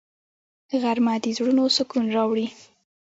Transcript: غرمه د زړونو سکون راوړي